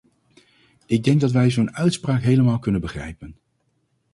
Ik denk dat wij zo'n uitspraak helemaal kunnen begrijpen.